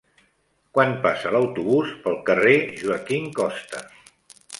Quan passa l'autobús pel carrer Joaquín Costa?